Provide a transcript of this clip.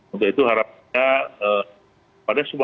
untuk itu harapannya pada semua